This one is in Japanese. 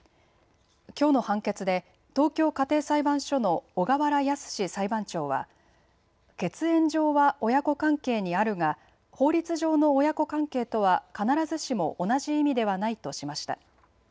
きょうの判決で東京家庭裁判所の小河原寧裁判長は血縁上は親子関係にあるが法律上の親子関係とは必ずしも同じ意味ではないとしました。